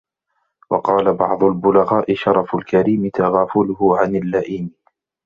وَقَالَ بَعْضُ الْبُلَغَاءِ شَرَفُ الْكَرِيمِ تَغَافُلُهُ عَنْ اللَّئِيمِ